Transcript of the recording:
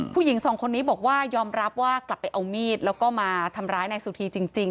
ผู้หญิงสองคนนี้บอกว่ายอมรับว่ากลับไปเอามีดแล้วก็มาทำร้ายนายสุธีจริง